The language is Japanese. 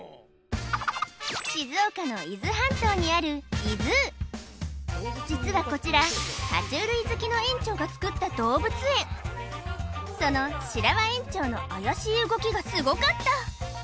静岡の伊豆半島にある実はこちらは虫類好きの園長がつくった動物園その白輪園長の怪しい動きがすごかった！